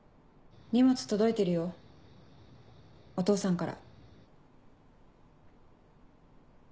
荷物届いてるよお父さんから。